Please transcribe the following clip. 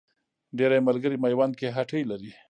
ډېری ملګري میوند کې هټۍ لري.